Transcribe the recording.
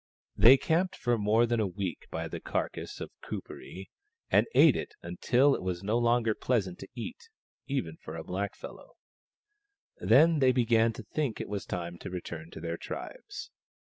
They camped for more than a week by the carcass of Kuperee, and ate it until it was no longer pleasant to eat, even for a blackfellow. Then they began to think it was time to return to their tribes.